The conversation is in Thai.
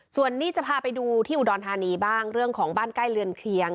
ส่วนนี้จะพาไปดูที่อุดรธานีบ้างเรื่องของบ้านใกล้เรือนเคลียง